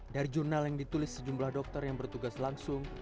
dari jurnal yang ditulis sejumlah dokter yang bertugas langsung